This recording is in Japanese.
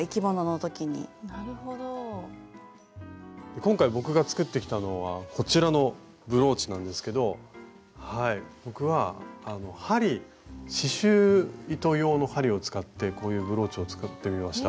今回僕が作ってきたのはこちらのブローチなんですけど僕は針刺しゅう糸用の針を使ってこういうブローチを作ってみました。